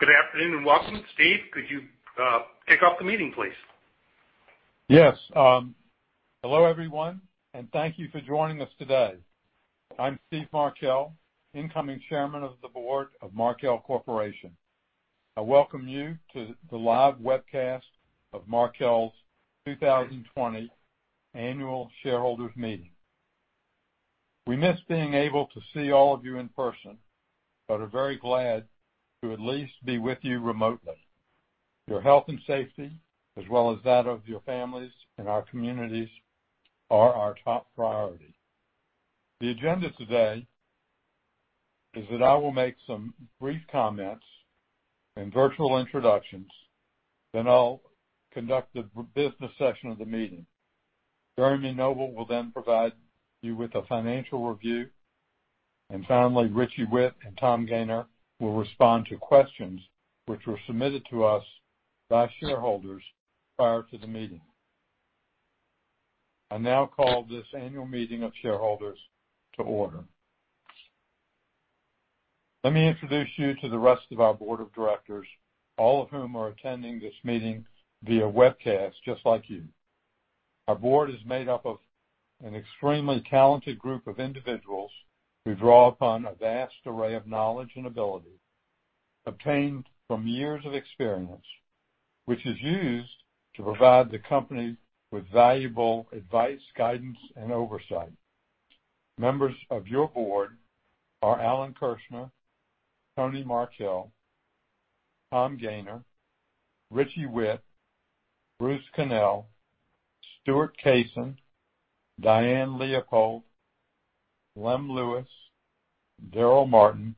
Good afternoon and welcome. Steve, could you kick off the meeting, please? Yes. Hello everyone, thank you for joining us today. I'm Steve Markel, incoming Chairman of the Board of Markel Corporation. I welcome you to the live webcast of Markel's 2020 Annual Shareholders Meeting. We miss being able to see all of you in person, but are very glad to at least be with you remotely. Your health and safety, as well as that of your families and our communities, are our top priority. The agenda today is that I will make some brief comments and virtual introductions, then I'll conduct the business session of the meeting. Jeremy Noble will provide you with a financial review. Finally, Richie Whitt and Tom Gayner will respond to questions which were submitted to us by shareholders prior to the meeting. I now call this annual meeting of shareholders to order. Let me introduce you to the rest of our board of directors, all of whom are attending this meeting via webcast, just like you. Our board is made up of an extremely talented group of individuals who draw upon a vast array of knowledge and ability obtained from years of experience, which is used to provide the company with valuable advice, guidance, and oversight. Members of your board are Alan Kirshner, Tony Markel, Tom Gayner, Richie Whitt, Bruce Connell, Stuart Kasen, Diane Leopold, Lem Lewis, Darrell Martin,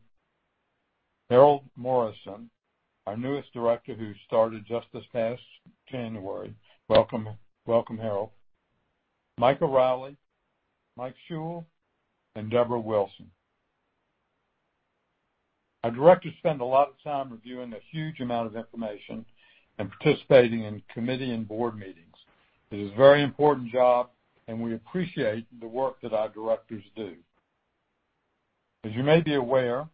Harold Morrison, our newest director who started just this past January. Welcome, Harold. Mike O'Reilly, Mike Schull, and Debora Wilson. Our directors spend a lot of time reviewing a huge amount of information and participating in committee and board meetings. It is a very important job and we appreciate the work that our directors do. As you may be aware,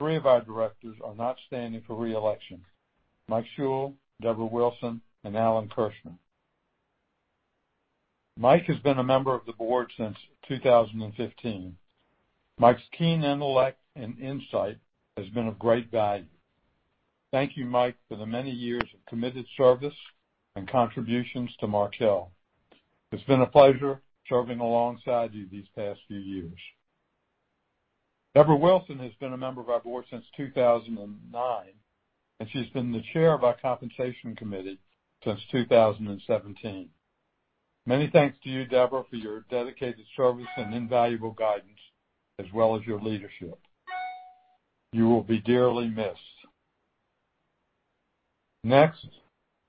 three of our directors are not standing for re-election: Mike Schull, Debora Wilson, and Alan Kirshner. Mike has been a member of the board since 2015. Mike's keen intellect and insight has been of great value. Thank you, Mike, for the many years of committed service and contributions to Markel. It's been a pleasure serving alongside you these past few years. Debora Wilson has been a member of our board since 2009, and she's been the chair of our compensation committee since 2017. Many thanks to you, Deborah, for your dedicated service and invaluable guidance, as well as your leadership. You will be dearly missed. Next,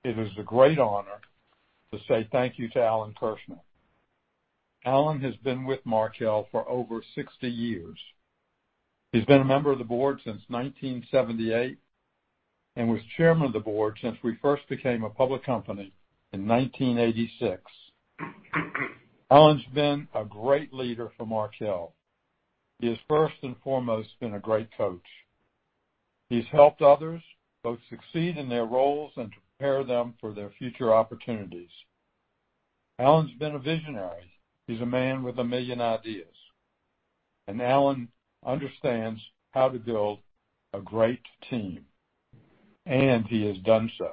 it is a great honor to say thank you to Alan Kirshner. Alan has been with Markel for over 60 years. He's been a member of the board since 1978, and was chairman of the board since we first became a public company in 1986. Alan's been a great leader for Markel. He has first and foremost been a great coach. He's helped others both succeed in their roles and to prepare them for their future opportunities. Alan's been a visionary. He's a man with a million ideas, and Alan understands how to build a great team, and he has done so.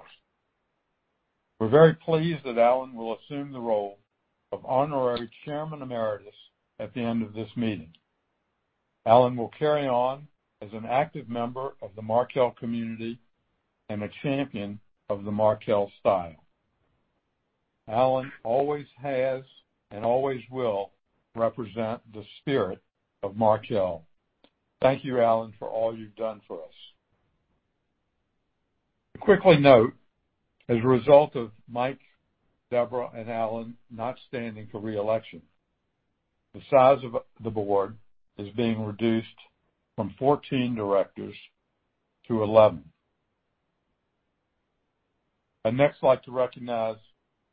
We're very pleased that Alan will assume the role of Honorary Chairman Emeritus at the end of this meeting. Alan will carry on as an active member of the Markel community and a champion of the Markel Style. Alan always has and always will represent the spirit of Markel. Thank you, Alan, for all you've done for us. To quickly note, as a result of Mike, Debora, and Alan not standing for re-election, the size of the board is being reduced from 14 directors to 11. I'd next like to recognize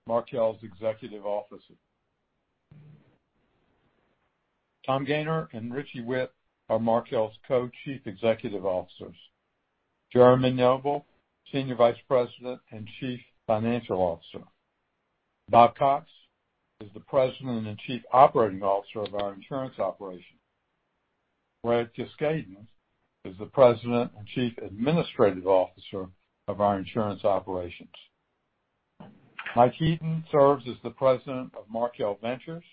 Markel's executive officers. Tom Gayner and Richie Whitt are Markel's Co-Chief Executive Officers. Jeremy Noble, Senior Vice President and Chief Financial Officer. Bob Cox is the President and Chief Operating Officer of our insurance operations. Brad Kiscaden is the President and Chief Administrative Officer of our insurance operations. Mike Heaton serves as the President of Markel Ventures.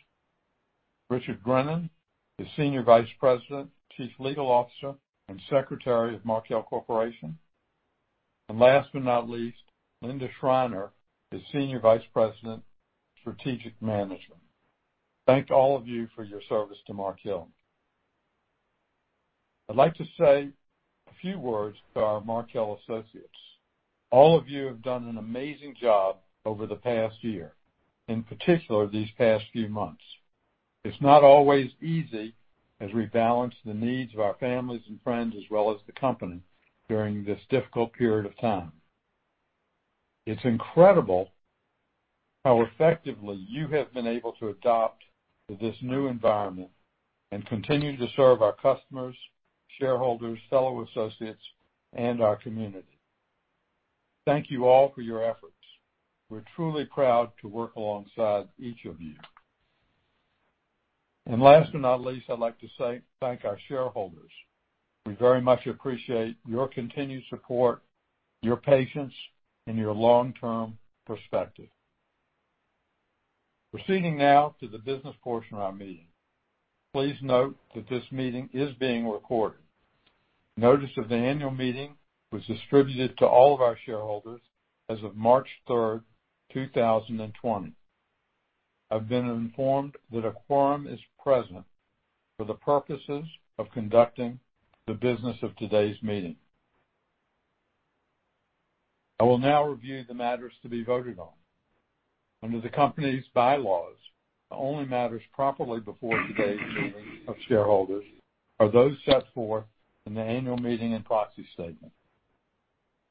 Richard Grinnan is Senior Vice President, Chief Legal Officer, and Secretary of Markel Corporation. Last but not least, Linda Schreiner is Senior Vice President of strategic management. Thank all of you for your service to Markel. I'd like to say a few words to our Markel associates. All of you have done an amazing job over the past year, in particular these past few months. It's not always easy as we balance the needs of our families and friends, as well as the company, during this difficult period of time. It's incredible how effectively you have been able to adapt to this new environment and continue to serve our customers, shareholders, fellow associates, and our community. Thank you all for your efforts. We're truly proud to work alongside each of you. Last but not least, I'd like to say thank our shareholders. We very much appreciate your continued support, your patience, and your long-term perspective. Proceeding now to the business portion of our meeting. Please note that this meeting is being recorded. Notice of the annual meeting was distributed to all of our shareholders as of March 3rd, 2020. I've been informed that a quorum is present for the purposes of conducting the business of today's meeting. I will now review the matters to be voted on. Under the company's bylaws, the only matters properly before today's meeting of shareholders are those set forth in the annual meeting and proxy statement.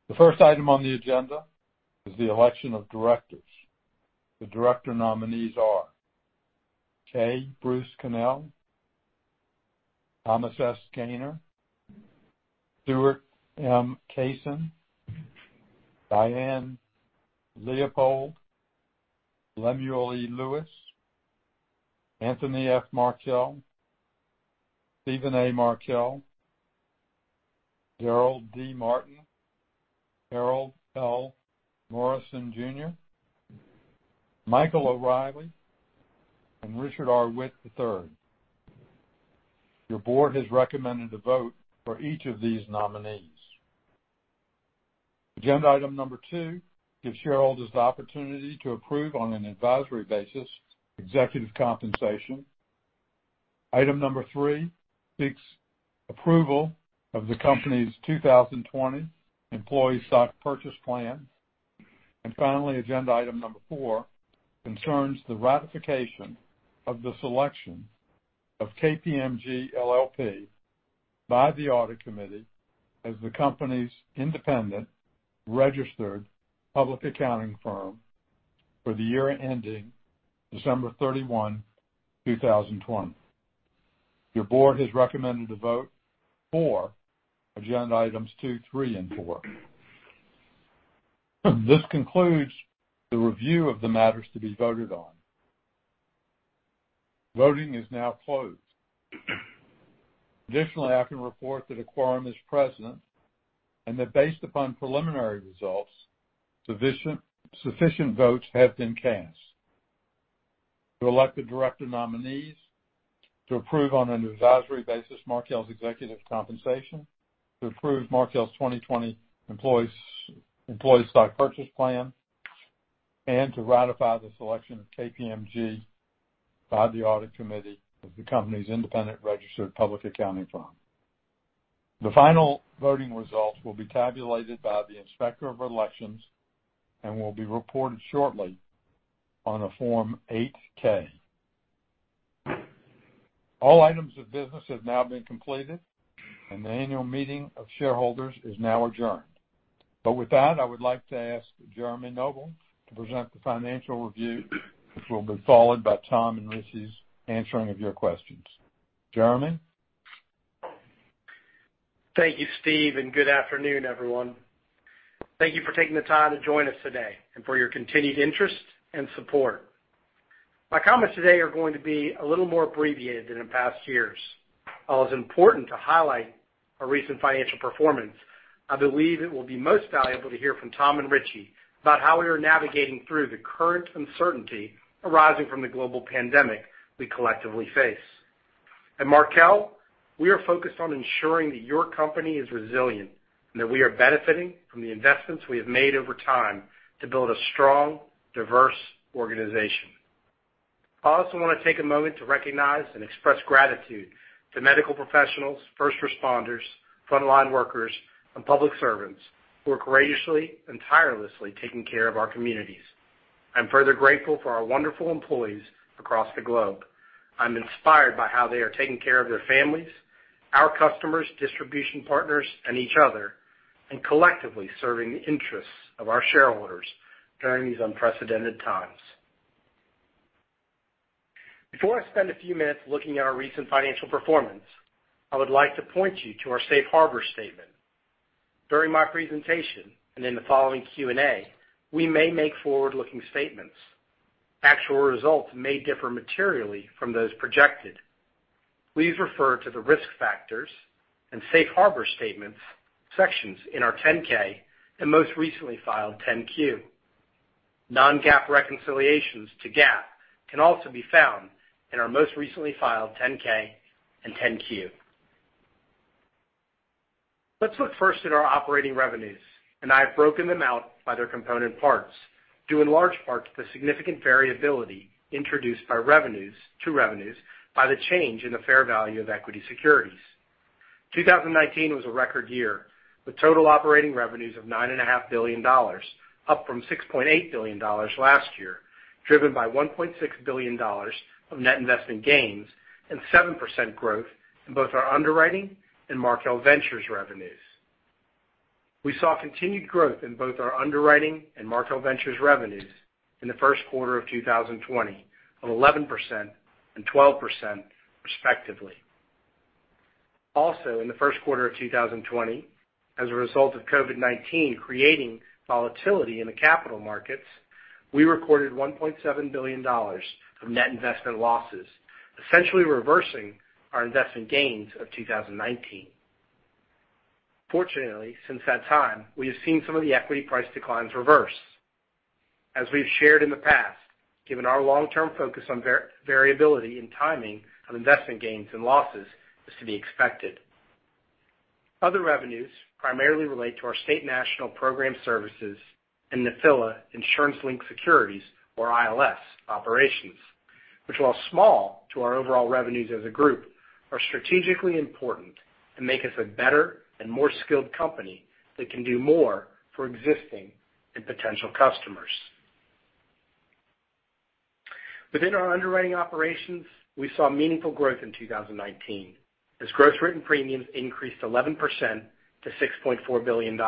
The first item on the agenda is the election of directors. The director nominees are K. Bruce Connell, Thomas S. Gayner, Stuart M. Kasen, Diane Leopold, Lemuel E. Lewis, Anthony F. Markel, Steven A. Markel, Darrell D. Martin, Harold L. Morrison, Jr., Michael O'Reilly, and Richard R. Whitt, III. Your board has recommended a vote for each of these nominees. Agenda item number two gives shareholders the opportunity to approve on an advisory basis executive compensation. Item number three seeks approval of the company's Markel Corporation 2020 Employee Stock Purchase Plan. Finally, agenda item number four concerns the ratification of the selection of KPMG LLP by the Audit Committee as the company's Independent Registered Public Accounting Firm for the year ending December 31, 2020. Your Board has recommended a vote for agenda items two, three, and four. This concludes the review of the matters to be voted on. Voting is now closed. Additionally, I can report that a quorum is present and that based upon preliminary results, sufficient votes have been cast to elect the Director nominees, to approve on an advisory basis Markel's Executive Compensation, to approve Markel's 2020 Employee Stock Purchase Plan, and to ratify the selection of KPMG by the Audit Committee as the company's Independent Registered Public Accounting Firm. The final voting results will be tabulated by the Inspector of Elections and will be reported shortly on a Form 8-K. All items of business have now been completed, and the annual meeting of shareholders is now adjourned. With that, I would like to ask Jeremy Noble to present the financial review, which will be followed by Tom and Richie Whitt's answering of your questions. Jeremy? Thank you, Steve. Good afternoon, everyone. Thank you for taking the time to join us today and for your continued interest and support. My comments today are going to be a little more abbreviated than in past years. While it's important to highlight our recent financial performance, I believe it will be most valuable to hear from Tom and Richie about how we are navigating through the current uncertainty arising from the global pandemic we collectively face. At Markel, we are focused on ensuring that your company is resilient and that we are benefiting from the investments we have made over time to build a strong, diverse organization. I also want to take a moment to recognize and express gratitude to medical professionals, first responders, frontline workers, and public servants who are courageously and tirelessly taking care of our communities. I'm further grateful for our wonderful employees across the globe. I'm inspired by how they are taking care of their families, our customers, distribution partners, and each other, and collectively serving the interests of our shareholders during these unprecedented times. Before I spend a few minutes looking at our recent financial performance, I would like to point you to our safe harbor statement. During my presentation and in the following Q&A, we may make forward-looking statements. Actual results may differ materially from those projected. Please refer to the risk factors and safe harbor statements sections in our 10-K and most recently filed 10-Q. Non-GAAP reconciliations to GAAP can also be found in our most recently filed 10-K and 10-Q. Let's look first at our operating revenues, I have broken them out by their component parts, due in large part to the significant variability introduced to revenues by the change in the fair value of equity securities. 2019 was a record year, with total operating revenues of $9.5 billion, up from $6.8 billion last year. Driven by $1.6 billion of net investment gains and 7% growth in both our underwriting and Markel Ventures revenues. We saw continued growth in both our underwriting and Markel Ventures revenues in the first quarter of 2020 of 11% and 12%, respectively. Also in the first quarter of 2020, as a result of COVID-19 creating volatility in the capital markets, we recorded $1.7 billion of net investment losses, essentially reversing our investment gains of 2019. Fortunately, since that time, we have seen some of the equity price declines reverse. As we've shared in the past, given our long-term focus on variability and timing of investment gains and losses is to be expected. Other revenues primarily relate to our State National program services and Nephila Insurance-Linked Securities, or ILS operations, which, while small to our overall revenues as a group, are strategically important and make us a better and more skilled company that can do more for existing and potential customers. Within our underwriting operations, we saw meaningful growth in 2019 as gross written premiums increased 11% to $6.4 billion.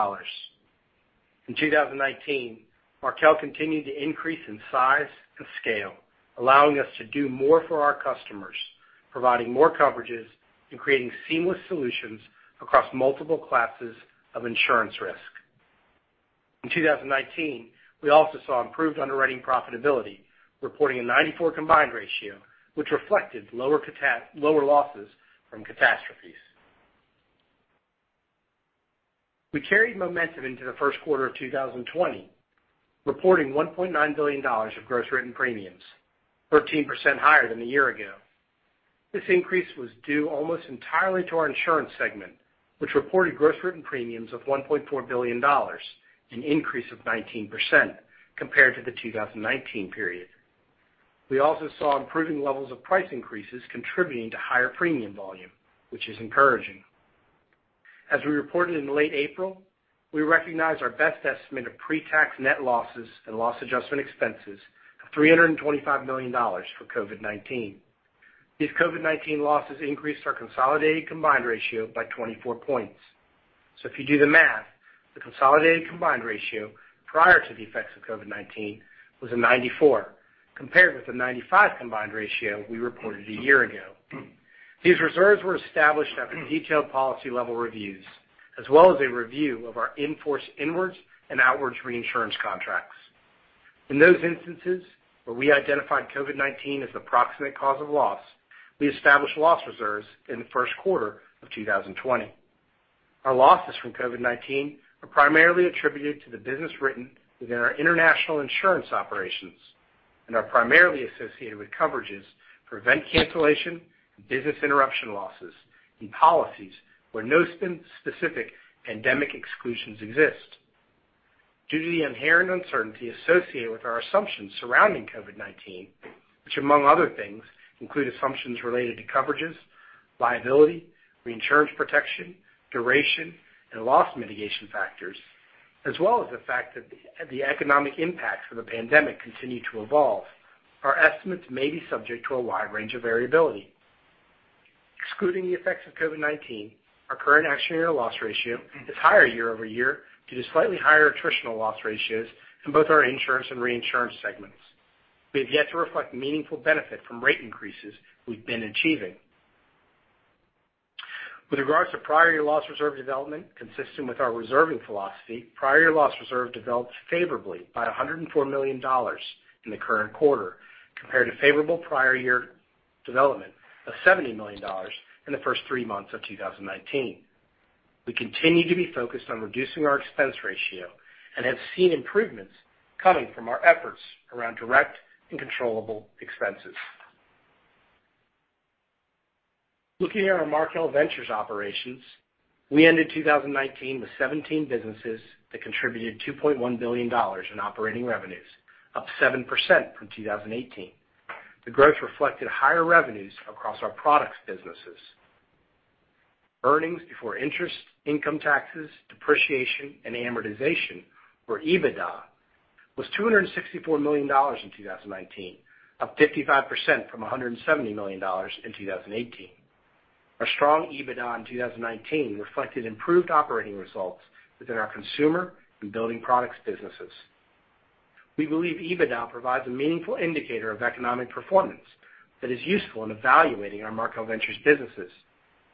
In 2019, Markel continued to increase in size and scale, allowing us to do more for our customers, providing more coverages and creating seamless solutions across multiple classes of insurance risk. In 2019, we also saw improved underwriting profitability, reporting a 94 combined ratio, which reflected lower losses from catastrophes. We carried momentum into the first quarter of 2020, reporting $1.9 billion of gross written premiums, 13% higher than a year ago. This increase was due almost entirely to our insurance segment, which reported gross written premiums of $1.4 billion, an increase of 19% compared to the 2019 period. We also saw improving levels of price increases contributing to higher premium volume, which is encouraging. As we reported in late April, we recognized our best estimate of pre-tax net losses and loss adjustment expenses of $325 million for COVID-19. These COVID-19 losses increased our consolidated combined ratio by 24 points. If you do the math, the consolidated combined ratio prior to the effects of COVID-19 was a 94 compared with the 95 combined ratio we reported a year ago. These reserves were established after detailed policy level reviews, as well as a review of our in-force inwards and outwards reinsurance contracts. In those instances where we identified COVID-19 as the proximate cause of loss, we established loss reserves in the first quarter of 2020. Our losses from COVID-19 are primarily attributed to the business written within our international insurance operations and are primarily associated with coverages for event cancellation and business interruption losses in policies where no specific pandemic exclusions exist. Due to the inherent uncertainty associated with our assumptions surrounding COVID-19, which among other things include assumptions related to coverages, liability, reinsurance protection, duration, and loss mitigation factors, as well as the fact that the economic impacts of the pandemic continue to evolve, our estimates may be subject to a wide range of variability. Excluding the effects of COVID-19, our current accident year loss ratio is higher year-over-year due to slightly higher attritional loss ratios in both our insurance and reinsurance segments. We have yet to reflect meaningful benefit from rate increases we've been achieving. With regards to prior year loss reserve development, consistent with our reserving philosophy, prior year loss reserve developed favorably by $104 million in the current quarter, compared to favorable prior year development of $70 million in the first three months of 2019. We continue to be focused on reducing our expense ratio and have seen improvements coming from our efforts around direct and controllable expenses. Looking at our Markel Ventures operations, we ended 2019 with 17 businesses that contributed $2.1 billion in operating revenues, up 7% from 2018. The growth reflected higher revenues across our products' businesses. Earnings before interest, income taxes, depreciation, and amortization, or EBITDA, was $264 million in 2019, up 55% from $170 million in 2018. Our strong EBITDA in 2019 reflected improved operating results within our consumer and building products businesses. We believe EBITDA provides a meaningful indicator of economic performance that is useful in evaluating our Markel Ventures businesses,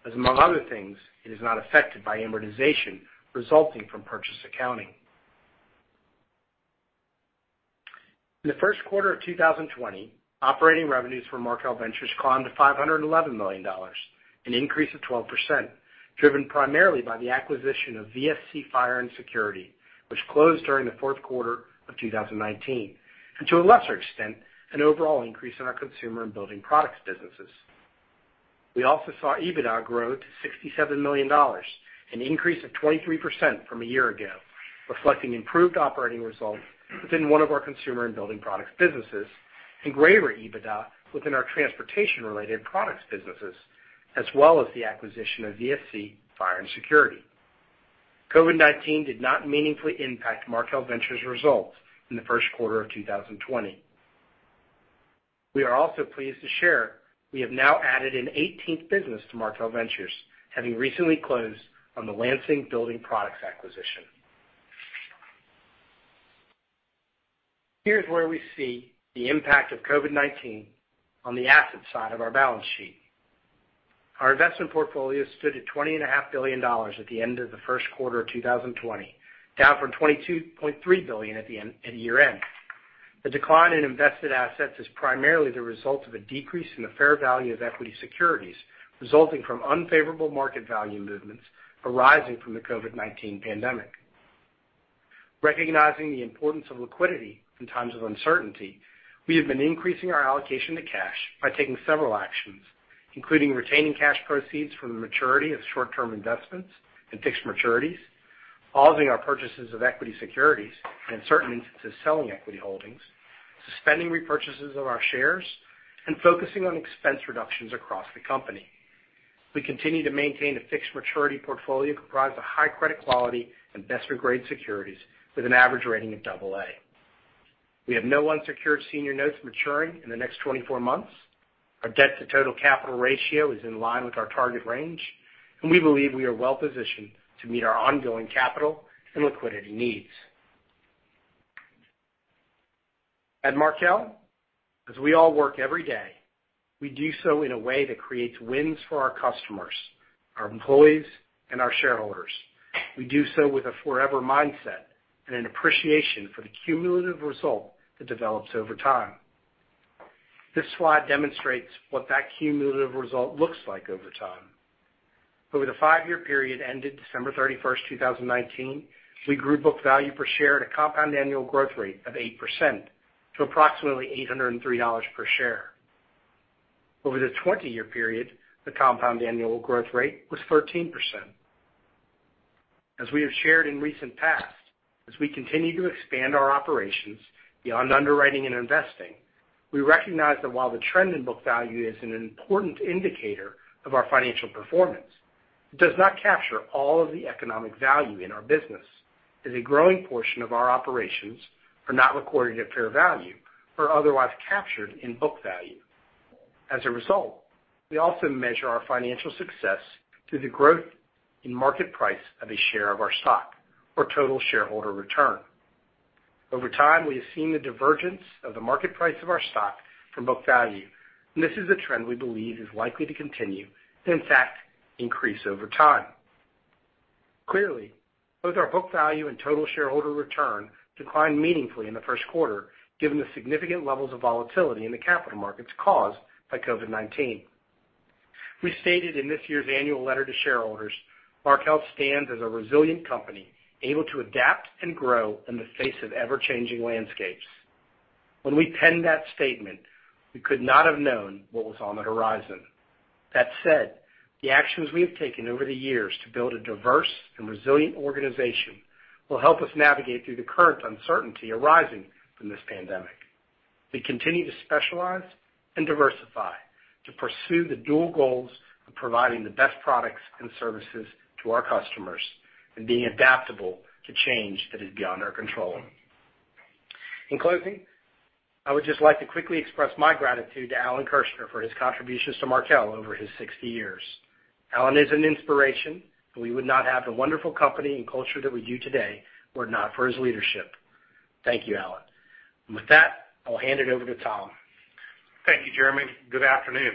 as among other things, it is not affected by amortization resulting from purchase accounting. In the first quarter of 2020, operating revenues for Markel Ventures climbed to $511 million, an increase of 12%, driven primarily by the acquisition of VSC Fire & Security, which closed during the fourth quarter of 2019, and to a lesser extent, an overall increase in our consumer and building products businesses. We also saw EBITDA grow to $67 million, an increase of 23% from a year ago, reflecting improved operating results within one of our consumer and building products businesses, and greater EBITDA within our transportation-related products businesses, as well as the acquisition of VSC Fire & Security. COVID-19 did not meaningfully impact Markel Ventures results in the first quarter of 2020. We are also pleased to share we have now added an 18th business to Markel Ventures, having recently closed on the Lansing Building Products acquisition. Here's where we see the impact of COVID-19 on the asset side of our balance sheet. Our investment portfolio stood at $20.5 billion at the end of the first quarter of 2020, down from $22.3 billion at year-end. The decline in invested assets is primarily the result of a decrease in the fair value of equity securities, resulting from unfavorable market value movements arising from the COVID-19 pandemic. Recognizing the importance of liquidity in times of uncertainty, we have been increasing our allocation to cash by taking several actions, including retaining cash proceeds from the maturity of short-term investments and fixed maturities, pausing our purchases of equity securities, and in certain instances, selling equity holdings, suspending repurchases of our shares, and focusing on expense reductions across the company. We continue to maintain a fixed maturity portfolio comprised of high credit quality, investor-grade securities with an average rating of double A. We have no unsecured senior notes maturing in the next 24 months. Our debt to total capital ratio is in line with our target range. We believe we are well-positioned to meet our ongoing capital and liquidity needs. At Markel, as we all work every day, we do so in a way that creates wins for our customers, our employees, and our shareholders. We do so with a forever mindset and an appreciation for the cumulative result that develops over time. This slide demonstrates what that cumulative result looks like over time. Over the five-year period ended December 31st, 2019, we grew book value per share at a compound annual growth rate of 8% to approximately $803 per share. Over the 20-year period, the compound annual growth rate was 13%. As we have shared in recent past, as we continue to expand our operations beyond underwriting and investing, we recognize that while the trend in book value is an important indicator of our financial performance, it does not capture all of the economic value in our business, as a growing portion of our operations are not recorded at fair value or otherwise captured in book value. As a result, we also measure our financial success through the growth in market price of a share of our stock or total shareholder return. Over time, we have seen the divergence of the market price of our stock from book value, and this is a trend we believe is likely to continue, and in fact, increase over time. Clearly, both our book value and total shareholder return declined meaningfully in the first quarter, given the significant levels of volatility in the capital markets caused by COVID-19. We stated in this year's annual letter to shareholders, Markel stands as a resilient company able to adapt and grow in the face of ever-changing landscapes. When we penned that statement, we could not have known what was on the horizon. That said, the actions we have taken over the years to build a diverse and resilient organization will help us navigate through the current uncertainty arising from this pandemic. We continue to specialize and diversify to pursue the dual goals of providing the best products and services to our customers and being adaptable to change that is beyond our control. In closing, I would just like to quickly express my gratitude to Alan Kirshner for his contributions to Markel over his 60 years. Alan is an inspiration, and we would not have the wonderful company and culture that we do today were it not for his leadership. Thank you, Alan. With that, I will hand it over to Tom. Thank you, Jeremy. Good afternoon.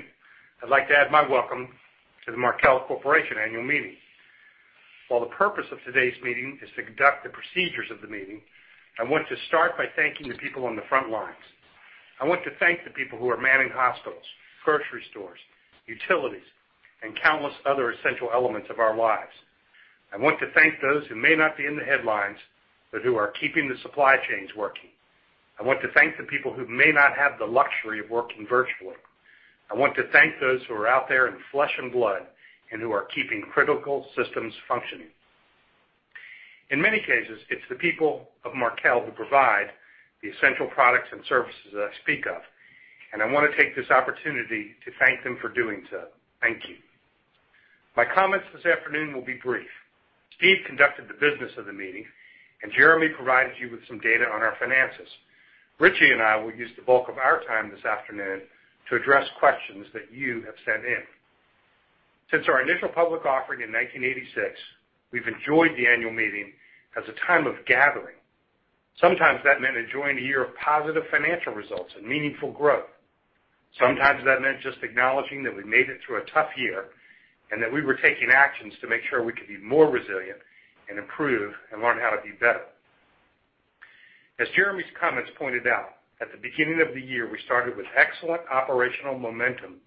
I'd like to add my welcome to the Markel Corporation Annual Meeting. While the purpose of today's meeting is to conduct the procedures of the meeting, I want to start by thanking the people on the front lines. I want to thank the people who are manning hospitals, grocery stores, utilities, and countless other essential elements of our lives. I want to thank those who may not be in the headlines, but who are keeping the supply chains working. I want to thank the people who may not have the luxury of working virtually. I want to thank those who are out there in flesh and blood and who are keeping critical systems functioning. In many cases, it's the people of Markel who provide the essential products and services that I speak of, and I want to take this opportunity to thank them for doing so. Thank you. My comments this afternoon will be brief. Steve conducted the business of the meeting, and Jeremy provided you with some data on our finances. Richie and I will use the bulk of our time this afternoon to address questions that you have sent in. Since our initial public offering in 1986, we've enjoyed the annual meeting as a time of gathering. Sometimes that meant enjoying a year of positive financial results and meaningful growth. Sometimes that meant just acknowledging that we made it through a tough year and that we were taking actions to make sure we could be more resilient and improve and learn how to be better. As Jeremy's comments pointed out, at the beginning of the year, we started with excellent operational momentum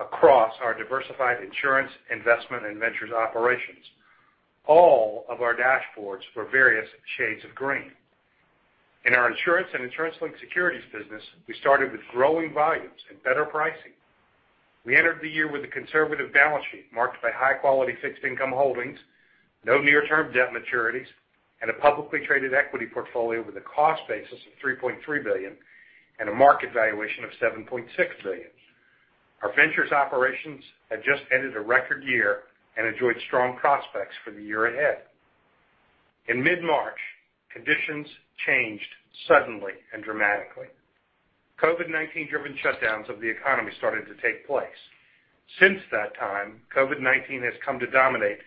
across our diversified insurance, investment, and ventures operations. All of our dashboards were various shades of green. In our insurance and insurance-linked securities business, we started with growing volumes and better pricing. We entered the year with a conservative balance sheet marked by high-quality fixed income holdings, no near-term debt maturities, and a publicly traded equity portfolio with a cost basis of $3.3 billion and a market valuation of $7.6 billion. Our ventures operations had just ended a record year and enjoyed strong prospects for the year ahead. In mid-March, conditions changed suddenly and dramatically. COVID-19 driven shutdowns of the economy started to take place. Since that time, COVID-19 has come to dominate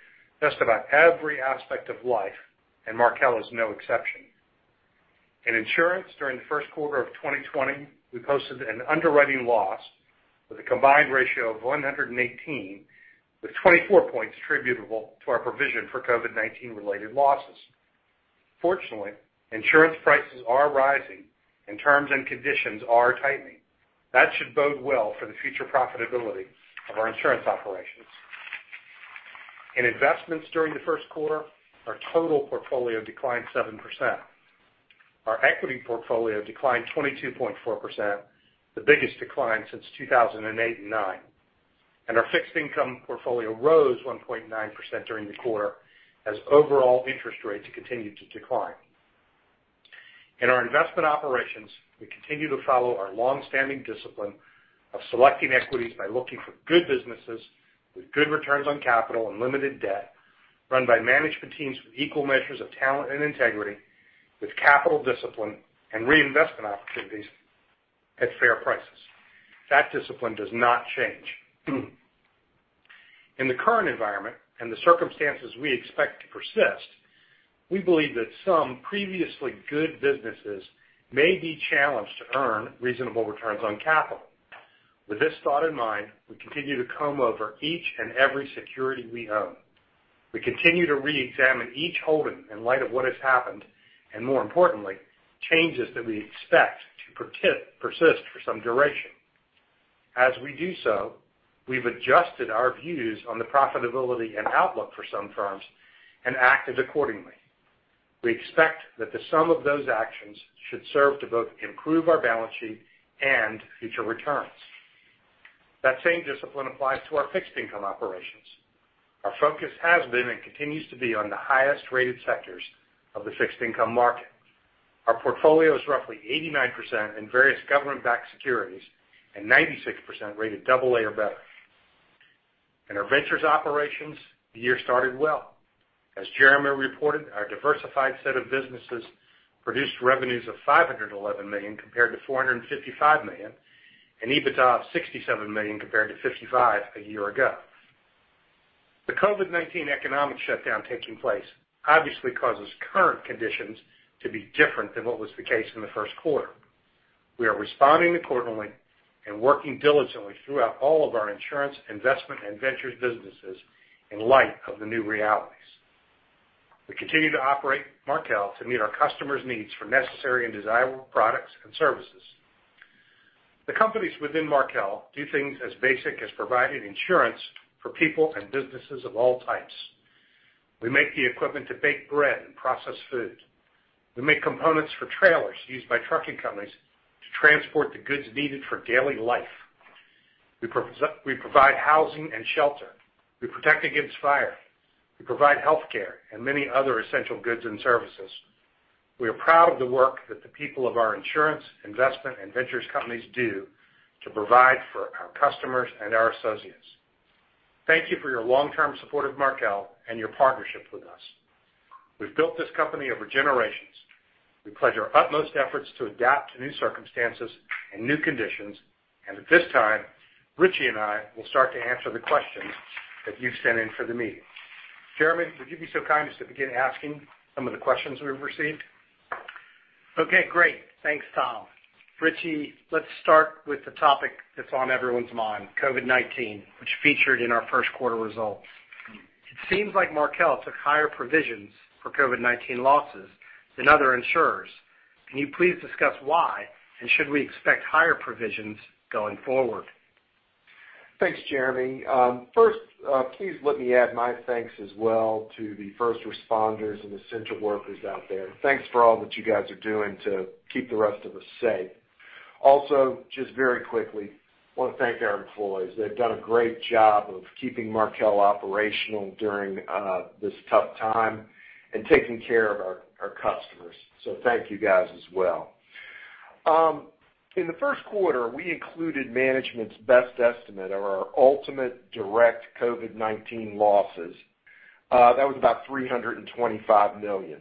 just about every aspect of life, and Markel is no exception. In insurance during the first quarter of 2020, we posted an underwriting loss with a combined ratio of 118, with 24 points attributable to our provision for COVID-19 related losses. Fortunately, insurance prices are rising and terms and conditions are tightening. That should bode well for the future profitability of our insurance operations. In investments during the first quarter, our total portfolio declined 7%. Our equity portfolio declined 22.4%, the biggest decline since 2008 and 2009, and our fixed income portfolio rose 1.9% during the quarter as overall interest rates continued to decline. In our investment operations, we continue to follow our longstanding discipline of selecting equities by looking for good businesses with good returns on capital and limited debt, run by management teams with equal measures of talent and integrity, with capital discipline and reinvestment opportunities at fair prices. That discipline does not change. In the current environment and the circumstances we expect to persist, we believe that some previously good businesses may be challenged to earn reasonable returns on capital. With this thought in mind, we continue to comb over each and every security we own. We continue to reexamine each holding in light of what has happened, and more importantly, changes that we expect to persist for some duration. As we do so, we've adjusted our views on the profitability and outlook for some firms and acted accordingly. We expect that the sum of those actions should serve to both improve our balance sheet and future returns. That same discipline applies to our fixed income operations. Our focus has been and continues to be on the highest-rated sectors of the fixed income market. Our portfolio is roughly 89% in various government-backed securities and 96% rated AA or better. In our ventures operations, the year started well. As Jeremy reported, our diversified set of businesses produced revenues of $511 million compared to $455 million, and EBITDA of $67 million compared to $55 million a year ago. The COVID-19 economic shutdown taking place obviously causes current conditions to be different than what was the case in the first quarter. We are responding accordingly and working diligently throughout all of our insurance, investment, and ventures businesses in light of the new realities. We continue to operate Markel to meet our customers' needs for necessary and desirable products and services. The companies within Markel do things as basic as providing insurance for people and businesses of all types. We make the equipment to bake bread and process food. We make components for trailers used by trucking companies to transport the goods needed for daily life. We provide housing and shelter. We protect against fire. We provide healthcare and many other essential goods and services. We are proud of the work that the people of our insurance, investment, and Ventures companies do to provide for our customers and our associates. Thank you for your long-term support of Markel and your partnership with us. We've built this company over generations. We pledge our utmost efforts to adapt to new circumstances and new conditions. At this time, Richie and I will start to answer the questions that you've sent in for the meeting. Jeremy, would you be so kind as to begin asking some of the questions we've received? Okay, great. Thanks, Tom. Richie, let's start with the topic that's on everyone's mind, COVID-19, which featured in our first quarter results. It seems like Markel took higher provisions for COVID-19 losses than other insurers. Can you please discuss why, and should we expect higher provisions going forward? Thanks, Jeremy. Please let me add my thanks as well to the first responders and essential workers out there. Thanks for all that you guys are doing to keep the rest of us safe. Just very quickly, want to thank our employees. They've done a great job of keeping Markel operational during this tough time and taking care of our customers. Thank you guys as well. In the first quarter, we included management's best estimate of our ultimate direct COVID-19 losses. That was about $325 million.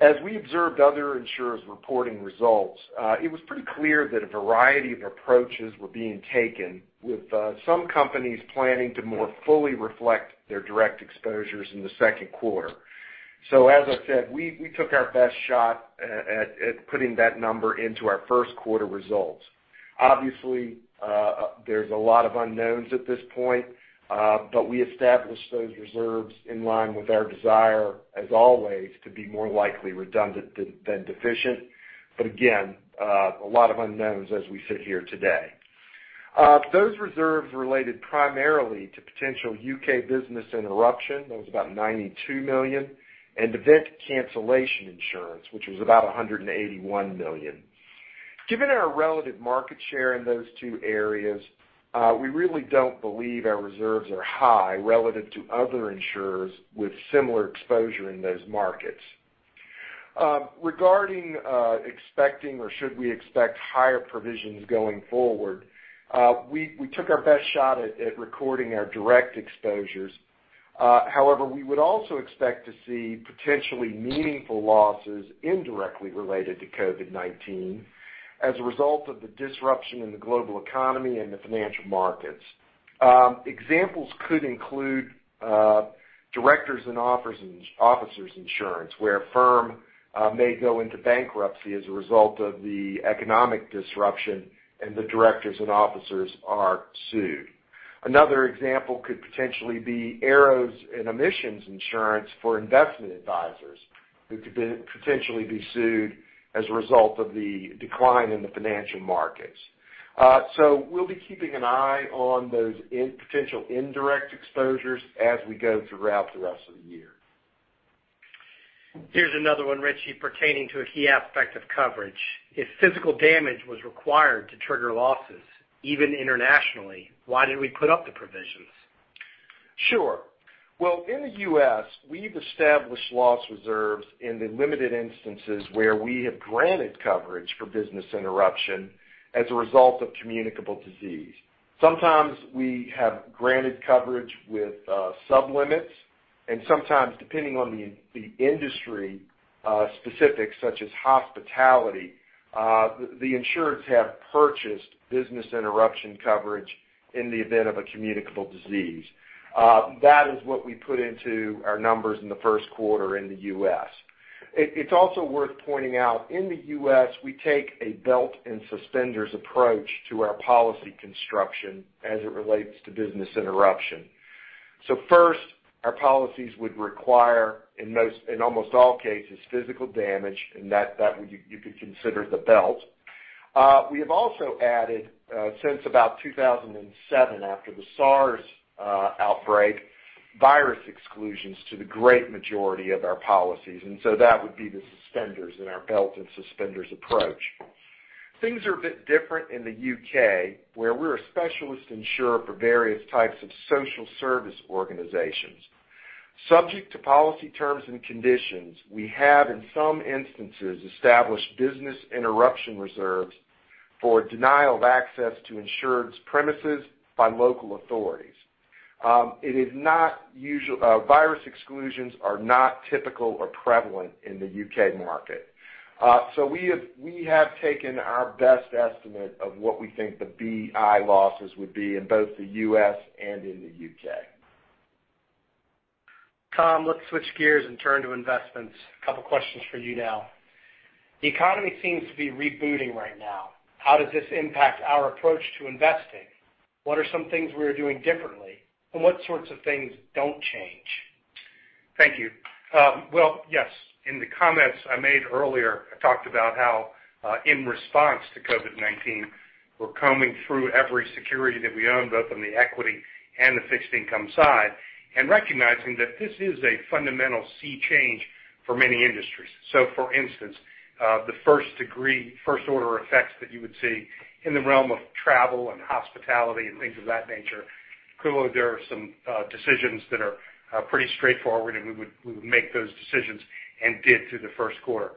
As we observed other insurers reporting results, it was pretty clear that a variety of approaches were being taken, with some companies planning to more fully reflect their direct exposures in the second quarter. As I said, we took our best shot at putting that number into our first quarter results. Obviously, there's a lot of unknowns at this point, but we established those reserves in line with our desire, as always, to be more likely redundant than deficient. Again, a lot of unknowns as we sit here today. Those reserves related primarily to potential U.K. business interruption. That was about $92 million, and event cancellation insurance, which was about $181 million. Given our relative market share in those two areas, we really don't believe our reserves are high relative to other insurers with similar exposure in those markets. Regarding expecting or should we expect higher provisions going forward, we took our best shot at recording our direct exposures. However, we would also expect to see potentially meaningful losses indirectly related to COVID-19 as a result of the disruption in the global economy and the financial markets. Examples could include directors and officers insurance, where a firm may go into bankruptcy as a result of the economic disruption and the directors and officers are sued. Another example could potentially be errors and omissions insurance for investment advisors who could potentially be sued as a result of the decline in the financial markets. We'll be keeping an eye on those potential indirect exposures as we go throughout the rest of the year. Here's another one, Richie, pertaining to a key aspect of coverage. If physical damage was required to trigger losses, even internationally, why did we put up the provisions? Sure. Well, in the U.S., we've established loss reserves in the limited instances where we have granted coverage for business interruption as a result of communicable disease. Sometimes we have granted coverage with sub-limits, and sometimes, depending on the industry specifics, such as hospitality, the insureds have purchased business interruption coverage in the event of a communicable disease. That is what we put into our numbers in the first quarter in the U.S. It's also worth pointing out, in the U.S., we take a belt and suspenders approach to our policy construction as it relates to business interruption. First, our policies would require, in almost all cases, physical damage, and that you could consider the belt. We have also added, since about 2007, after the SARS outbreak, virus exclusions to the great majority of our policies, that would be the suspenders in our belt and suspenders approach. Things are a bit different in the U.K., where we're a specialist insurer for various types of social service organizations. Subject to policy terms and conditions, we have, in some instances, established business interruption reserves for denial of access to insured's premises by local authorities. Virus exclusions are not typical or prevalent in the U.K. market. We have taken our best estimate of what we think the BI losses would be in both the U.S. and in the U.K. Tom, let's switch gears and turn to investments. A couple of questions for you now. The economy seems to be rebooting right now. How does this impact our approach to investing? What are some things we are doing differently, and what sorts of things don't change? Thank you. Well, yes. In the comments I made earlier, I talked about how, in response to COVID-19, we're combing through every security that we own, both on the equity and the fixed income side, and recognizing that this is a fundamental sea change for many industries. For instance, the first-degree, first-order effects that you would see in the realm of travel and hospitality and things of that nature, clearly there are some decisions that are pretty straightforward, and we would make those decisions and did through the first quarter.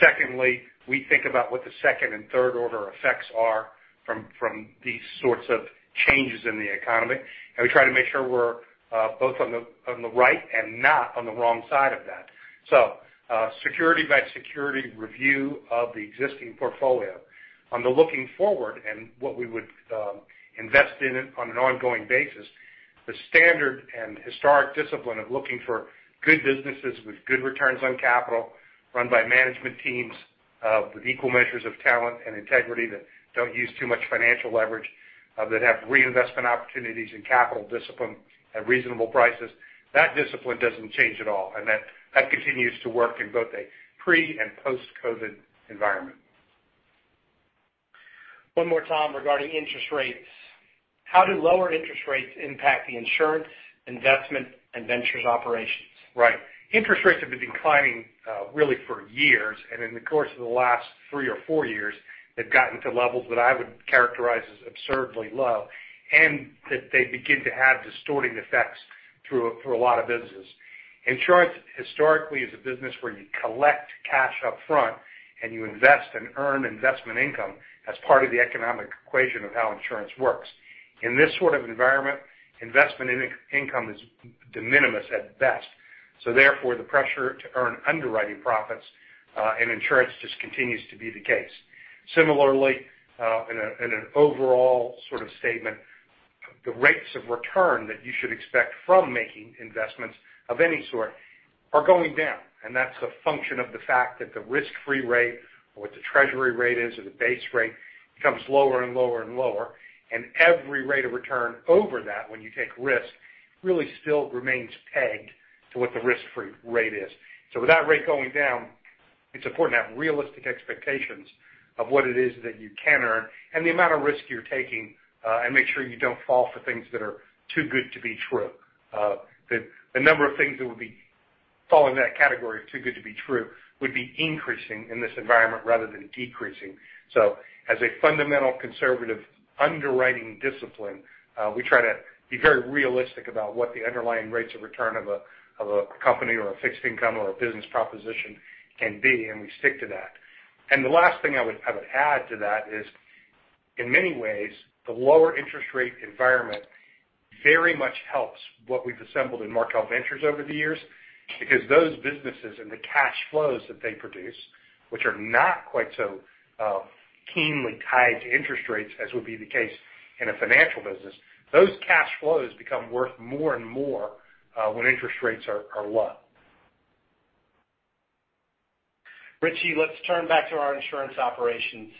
Secondly, we think about what the second and third-order effects are from these sorts of changes in the economy. We try to make sure we're both on the right and not on the wrong side of that. Security by security review of the existing portfolio. On the looking forward and what we would invest in on an ongoing basis, the standard and historic discipline of looking for good businesses with good returns on capital, run by management teams with equal measures of talent and integrity that don't use too much financial leverage, that have reinvestment opportunities and capital discipline at reasonable prices. That discipline doesn't change at all, and that continues to work in both a pre- and post-COVID environment. One more, Tom, regarding interest rates. How do lower interest rates impact the insurance, investment, and Ventures operations? Right. Interest rates have been declining really for years. In the course of the last three or four years, they've gotten to levels that I would characterize as absurdly low. They begin to have distorting effects through a lot of businesses. Insurance historically is a business where you collect cash up front and you invest and earn investment income as part of the economic equation of how insurance works. In this sort of environment, investment income is de minimis at best. Therefore, the pressure to earn underwriting profits in insurance just continues to be the case. Similarly, in an overall sort of statement, the rates of return that you should expect from making investments of any sort are going down, and that's a function of the fact that the risk-free rate or what the treasury rate is or the base rate becomes lower and lower and lower. Every rate of return over that when you take risk really still remains pegged to what the risk-free rate is. With that rate going down, it's important to have realistic expectations of what it is that you can earn and the amount of risk you're taking, and make sure you don't fall for things that are too good to be true. The number of things that would be falling in that category of too good to be true would be increasing in this environment rather than decreasing. As a fundamental conservative underwriting discipline, we try to be very realistic about what the underlying rates of return of a company or a fixed income or a business proposition can be, and we stick to that. The last thing I would add to that is. In many ways, the lower interest rate environment very much helps what we've assembled in Markel Ventures over the years, because those businesses and the cash flows that they produce, which are not quite so keenly tied to interest rates as would be the case in a financial business, those cash flows become worth more and more when interest rates are low. Richie, let's turn back to our insurance operations.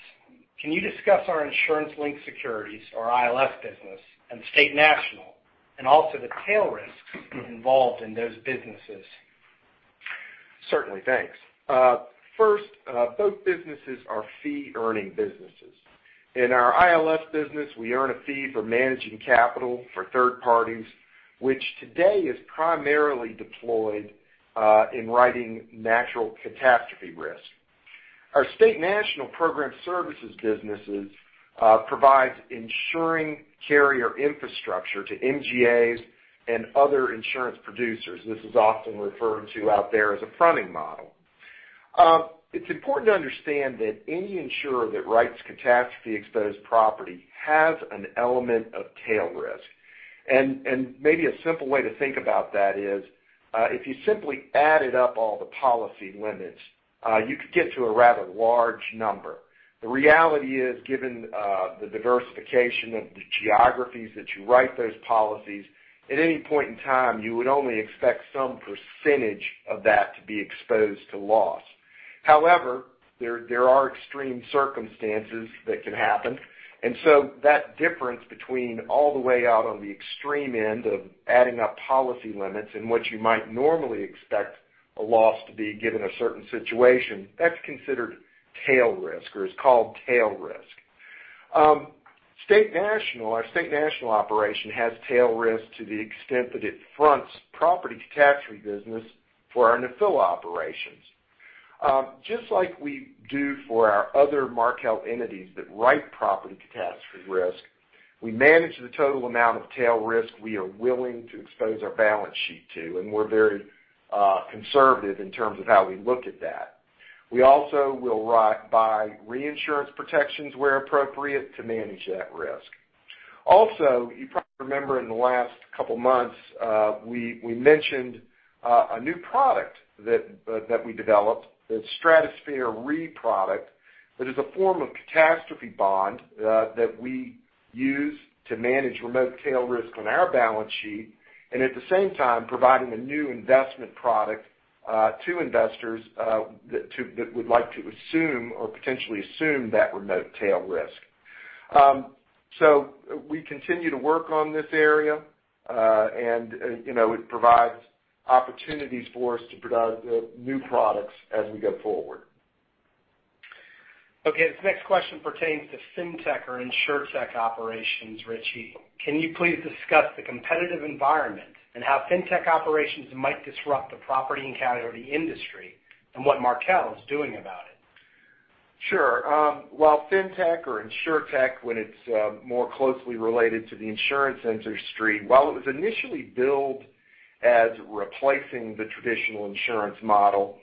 Can you discuss our insurance-linked securities, or ILS business, and State National, and also the tail risks involved in those businesses? Certainly. Thanks. First, both businesses are fee-earning businesses. In our ILS business, we earn a fee for managing capital for third parties, which today is primarily deployed in writing natural catastrophe risk. Our State National program services businesses provides ensuring carrier infrastructure to MGAs and other insurance producers. This is often referred to out there as a fronting model. It's important to understand that any insurer that writes catastrophe-exposed property has an element of tail risk. Maybe a simple way to think about that is, if you simply added up all the policy limits, you could get to a rather large number. The reality is, given the diversification of the geographies that you write those policies, at any point in time, you would only expect some percentage of that to be exposed to loss. However, there are extreme circumstances that can happen. That difference between all the way out on the extreme end of adding up policy limits and what you might normally expect a loss to be given a certain situation, that's considered tail risk or is called tail risk. State National, our State National operation has tail risk to the extent that it fronts property catastrophe business for our Nephila operations. Just like we do for our other Markel entities that write property catastrophe risk, we manage the total amount of tail risk we are willing to expose our balance sheet to. We're very conservative in terms of how we look at that. We also will write by reinsurance protections where appropriate to manage that risk. You probably remember in the last couple of months, we mentioned a new product that we developed, the Stratosphere Re product, that is a form of catastrophe bond that we use to manage remote tail risk on our balance sheet, and at the same time, providing a new investment product to investors that would like to assume or potentially assume that remote tail risk. We continue to work on this area, and it provides opportunities for us to produce new products as we go forward. Okay, this next question pertains to FinTech or InsurTech operations, Richie. Can you please discuss the competitive environment and how FinTech operations might disrupt the property and casualty industry, and what Markel is doing about it? Sure. While FinTech or InsurTech, when it's more closely related to the insurance industry, while it was initially billed as replacing the traditional insurance model,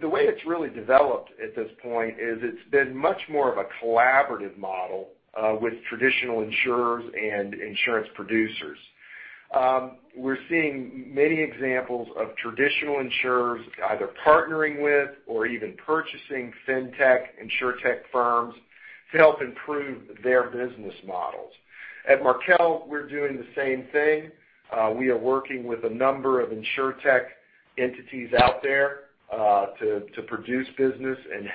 the way it's really developed at this point is it's been much more of a collaborative model with traditional insurers and insurance producers. We're seeing many examples of traditional insurers either partnering with or even purchasing FinTech, InsurTech firms to help improve their business models. At Markel, we're doing the same thing. We are working with a number of InsurTech entities out there to produce business and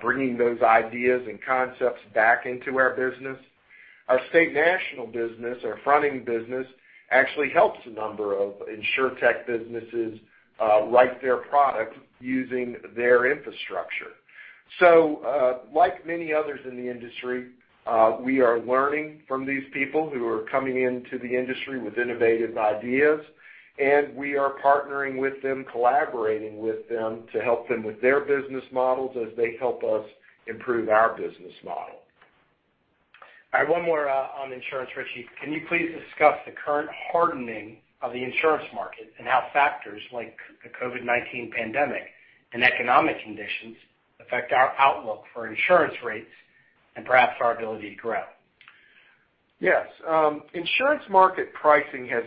bringing those ideas and concepts back into our business. Our State National business, our fronting business, actually helps a number of InsurTech businesses write their product using their infrastructure. Like many others in the industry, we are learning from these people who are coming into the industry with innovative ideas, and we are partnering with them, collaborating with them to help them with their business models as they help us improve our business model. I have one more on insurance, Richie. Can you please discuss the current hardening of the insurance market and how factors like the COVID-19 pandemic and economic conditions affect our outlook for insurance rates and perhaps our ability to grow? Yes. Insurance market pricing has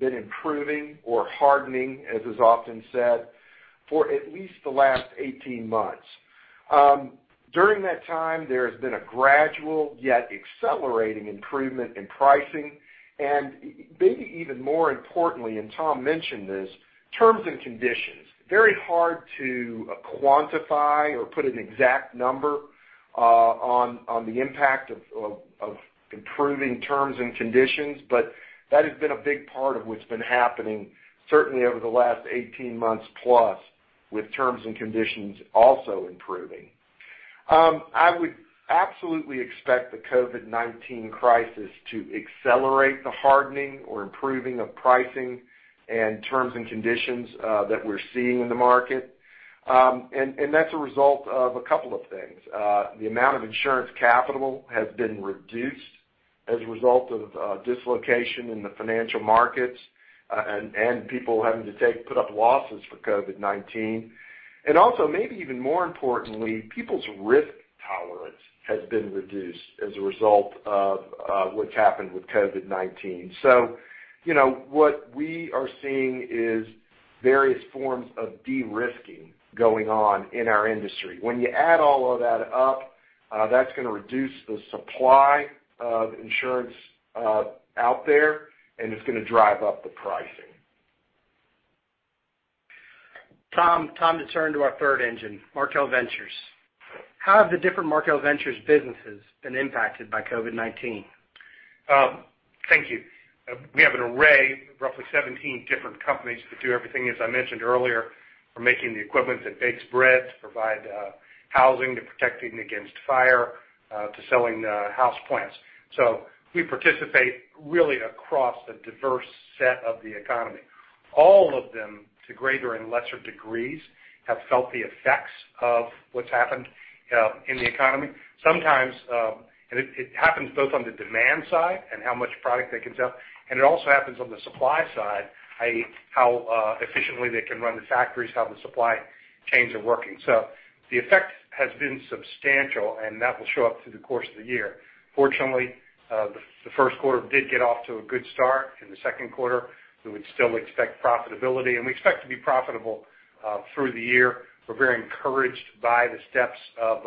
been improving or hardening, as is often said, for at least the last 18 months. During that time, there has been a gradual, yet accelerating improvement in pricing, and maybe even more importantly, Tom mentioned this, terms and conditions. Very hard to quantify or put an exact number on the impact of improving terms and conditions, but that has been a big part of what's been happening, certainly over the last 18 months plus with terms and conditions also improving. I would absolutely expect the COVID-19 crisis to accelerate the hardening or improving of pricing and terms and conditions that we're seeing in the market. That's a result of a couple of things. The amount of insurance capital has been reduced as a result of dislocation in the financial markets, and people having to put up losses for COVID-19. Also maybe even more importantly, people's risk tolerance has been reduced as a result of what's happened with COVID-19. What we are seeing is various forms of de-risking going on in our industry. When you add all of that up, that's going to reduce the supply of insurance out there, and it's going to drive up the pricing. Tom, time to turn to our third engine, Markel Ventures. How have the different Markel Ventures businesses been impacted by COVID-19? Thank you. We have an array of roughly 17 different companies that do everything, as I mentioned earlier, from making the equipment that bakes bread, to provide housing, to protecting against fire, to selling house plants. We participate really across a diverse set of the economy. All of them, to greater and lesser degrees, have felt the effects of what's happened in the economy. Sometimes it happens both on the demand side and how much product they can sell, and it also happens on the supply side, i.e., how efficiently they can run the factories, how the supply chains are working. The effect has been substantial, and that will show up through the course of the year. Fortunately, the first quarter did get off to a good start. In the second quarter, we would still expect profitability, and we expect to be profitable through the year. We're very encouraged by the steps of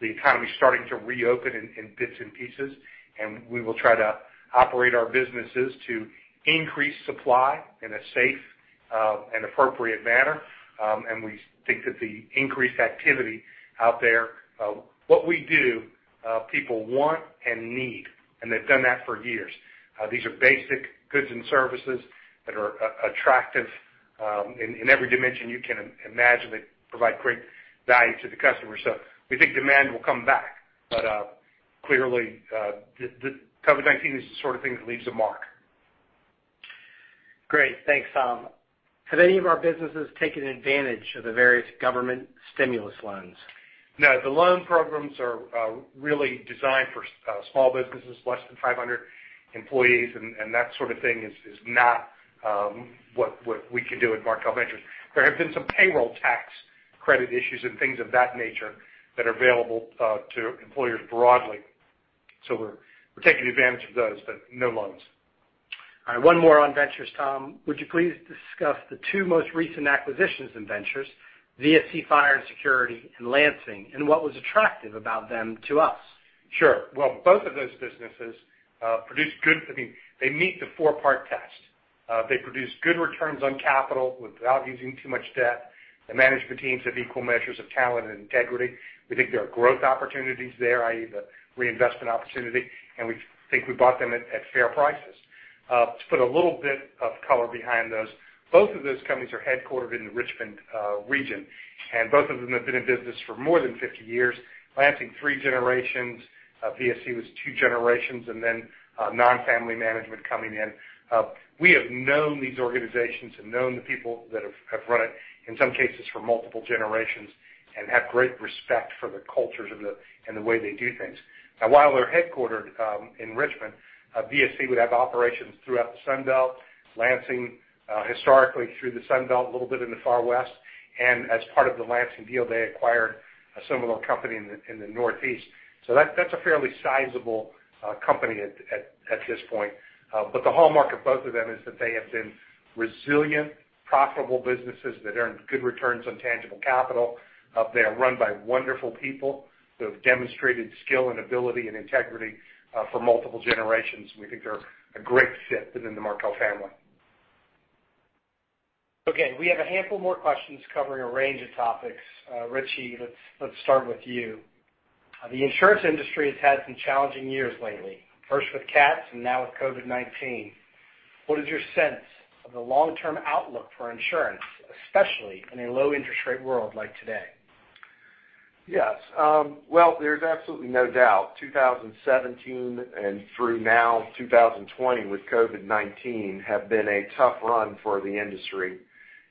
the economy starting to reopen in bits and pieces, and we will try to operate our businesses to increase supply in a safe and appropriate manner. We think that the increased activity out there, what we do, people want and need, and they've done that for years. These are basic goods and services that are attractive in every dimension you can imagine that provide great value to the customer. We think demand will come back. Clearly, the COVID-19 is the sort of thing that leaves a mark. Great. Thanks, Tom. Have any of our businesses taken advantage of the various government stimulus loans? No, the loan programs are really designed for small businesses, less than 500 employees, and that sort of thing is not what we can do at Markel Ventures. There have been some payroll tax credit issues and things of that nature that are available to employers broadly. We're taking advantage of those, but no loans. All right. One more on Ventures, Tom. Would you please discuss the two most recent acquisitions in Ventures, VSC Fire & Security, and Lansing, and what was attractive about them to us? Sure. Well, both of those businesses meet the four-part test. They produce good returns on capital without using too much debt. The management teams have equal measures of talent and integrity. We think there are growth opportunities there, i.e., the reinvestment opportunity, and we think we bought them at fair prices. To put a little bit of color behind those, both of those companies are headquartered in the Richmond region, and both of them have been in business for more than 50 years. Lansing, three generations. VSC was two generations, and then non-family management coming in. We have known these organizations and known the people that have run it, in some cases for multiple generations, and have great respect for the cultures and the way they do things. While they're headquartered in Richmond, VSC would have operations throughout the Sun Belt, Lansing, historically through the Sun Belt, a little bit in the Far West. As part of the Lansing deal, they acquired a similar company in the Northeast. That's a fairly sizable company at this point. The hallmark of both of them is that they have been resilient, profitable businesses that earn good returns on tangible capital. They are run by wonderful people who have demonstrated skill and ability and integrity for multiple generations, and we think they're a great fit within the Markel family. Okay. We have a handful more questions covering a range of topics. Richie, let's start with you. The insurance industry has had some challenging years lately, first with cats and now with COVID-19. What is your sense of the long-term outlook for insurance, especially in a low-interest rate world like today? Yes. Well, there's absolutely no doubt, 2017 and through now, 2020 with COVID-19, have been a tough run for the industry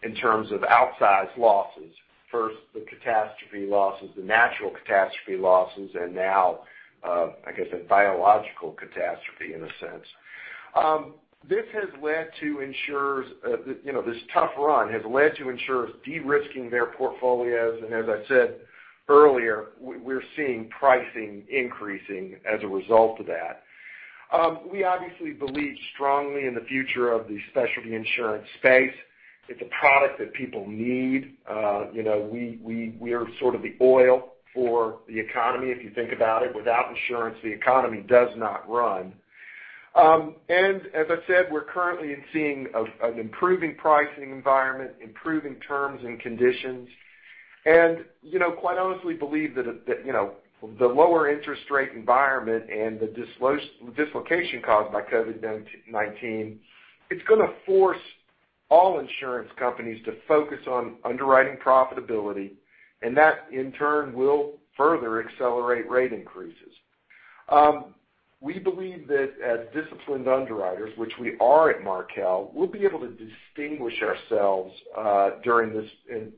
in terms of outsized losses. First, the catastrophe losses, the natural catastrophe losses, and now, I guess a biological catastrophe in a sense. This tough run has led to insurers de-risking their portfolios, and as I said earlier, we're seeing pricing increasing as a result of that. We obviously believe strongly in the future of the specialty insurance space. It's a product that people need. We are sort of the oil for the economy, if you think about it. Without insurance, the economy does not run. As I said, we're currently seeing an improving pricing environment, improving terms and conditions, and quite honestly believe that the lower interest rate environment and the dislocation caused by COVID-19, it's going to force all insurance companies to focus on underwriting profitability, and that in turn will further accelerate rate increases. We believe that as disciplined underwriters, which we are at Markel, we'll be able to distinguish ourselves during this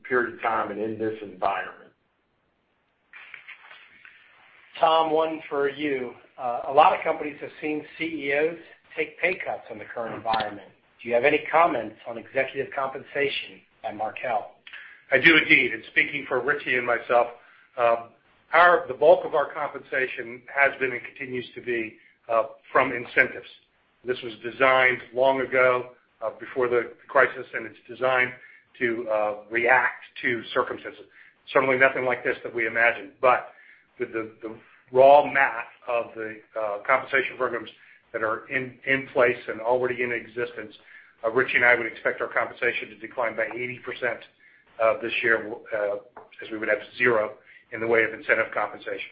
period of time and in this environment. Tom, one for you. A lot of companies have seen CEOs take pay cuts in the current environment. Do you have any comments on executive compensation at Markel? I do indeed. Speaking for Richie and myself, the bulk of our compensation has been and continues to be from incentives. This was designed long ago, before the crisis, and it's designed to react to circumstances. Certainly nothing like this that we imagined. With the raw math of the compensation programs that are in place and already in existence, Richie and I would expect our compensation to decline by 80% this year, as we would have zero in the way of incentive compensation.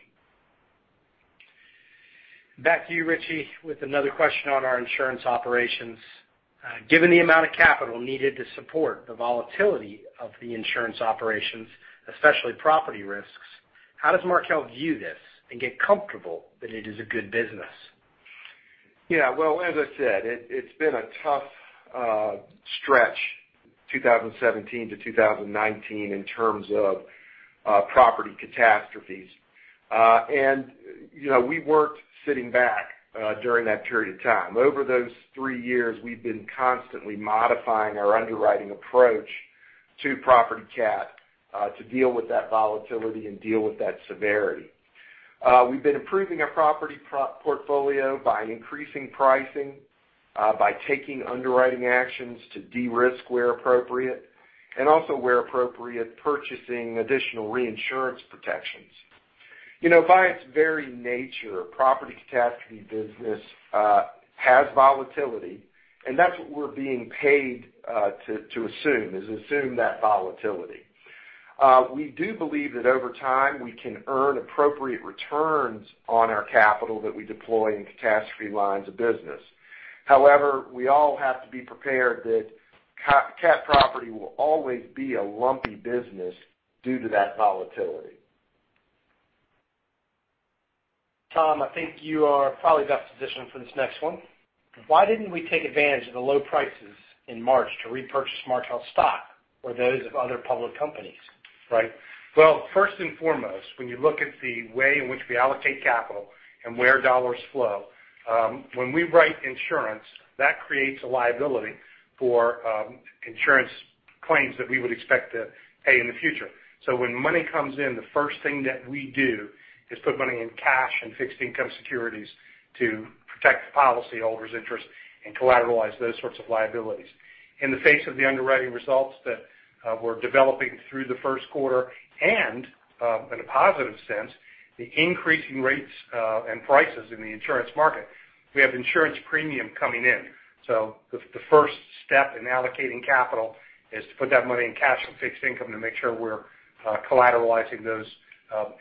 Back to you, Richie, with another question on our insurance operations. Given the amount of capital needed to support the volatility of the insurance operations, especially property risks, how does Markel view this and get comfortable that it is a good business? Yeah. Well, as I said, it's been a tough stretch, 2017 to 2019, in terms of property catastrophes. We weren't sitting back during that period of time. Over those three years, we've been constantly modifying our underwriting approach to property cat to deal with that volatility and deal with that severity. We've been improving our property portfolio by increasing pricing, by taking underwriting actions to de-risk where appropriate, and also where appropriate, purchasing additional reinsurance protections. By its very nature, property catastrophe business has volatility, and that's what we're being paid to assume, is assume that volatility. We do believe that over time, we can earn appropriate returns on our capital that we deploy in catastrophe lines of business. However, we all have to be prepared that cat property will always be a lumpy business due to that volatility. Tom, I think you are probably best positioned for this next one. Why didn't we take advantage of the low prices in March to repurchase Markel stock or those of other public companies? Right. Well, first and foremost, when you look at the way in which we allocate capital and where dollars flow, when we write insurance, that creates a liability for insurance claims that we would expect to pay in the future. When money comes in, the first thing that we do is put money in cash and fixed income securities to protect the policyholder's interest and collateralize those sorts of liabilities. In the face of the underwriting results that were developing through the first quarter and, in a positive sense, the increasing rates and prices in the insurance market, we have insurance premium coming in. The first step in allocating capital is to put that money in cash and fixed income to make sure we're collateralizing those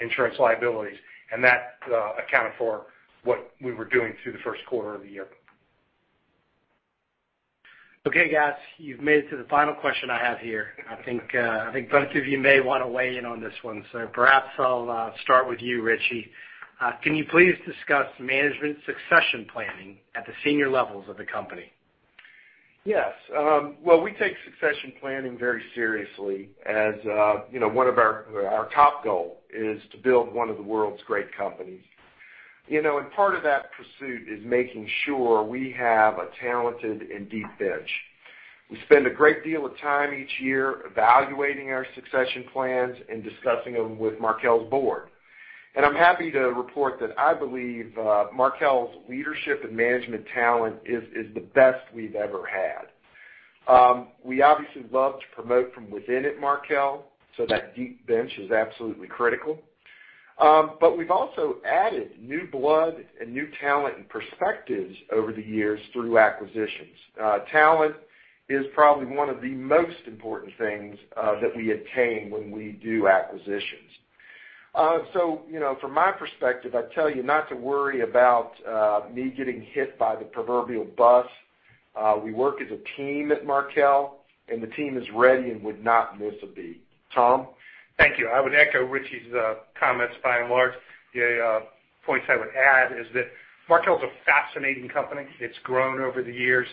insurance liabilities. That accounted for what we were doing through the first quarter of the year. Okay, guys, you've made it to the final question I have here. I think both of you may want to weigh in on this one. Perhaps I'll start with you, Richie. Can you please discuss management succession planning at the senior levels of the company? Yes. Well, we take succession planning very seriously as our top goal, is to build one of the world's great companies. Part of that pursuit is making sure we have a talented and deep bench. We spend a great deal of time each year evaluating our succession plans and discussing them with Markel's board. I'm happy to report that I believe Markel's leadership and management talent is the best we've ever had. We obviously love to promote from within at Markel, so that deep bench is absolutely critical. We've also added new blood and new talent and perspectives over the years through acquisitions. Talent is probably one of the most important things that we attain when we do acquisitions. From my perspective, I'd tell you not to worry about me getting hit by the proverbial bus. We work as a team at Markel. The team is ready and would not miss a beat. Tom? Thank you. I would echo Richie Whitt's comments by and large. The points I would add is that Markel is a fascinating company. It's grown over the years.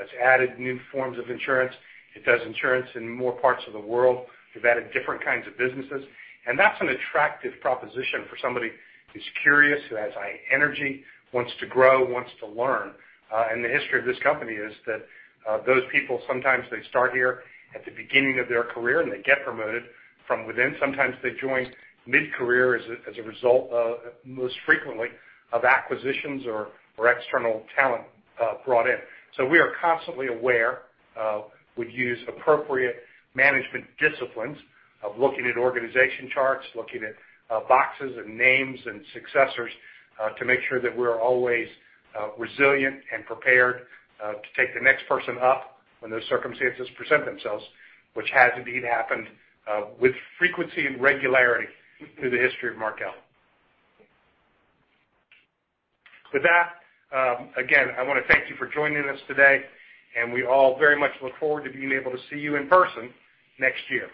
It's added new forms of insurance. It does insurance in more parts of the world. We've added different kinds of businesses. That's an attractive proposition for somebody who's curious, who has high energy, wants to grow, wants to learn. The history of this company is that those people, sometimes they start here at the beginning of their career, and they get promoted from within. Sometimes they join mid-career as a result of, most frequently, of acquisitions or external talent brought in. We are constantly aware. We use appropriate management disciplines of looking at organization charts, looking at boxes and names and successors to make sure that we're always resilient and prepared to take the next person up when those circumstances present themselves, which has indeed happened with frequency and regularity through the history of Markel. With that, again, I want to thank you for joining us today, and we all very much look forward to being able to see you in person next year.